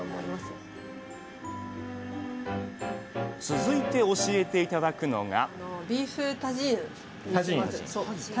続いて教えて頂くのが？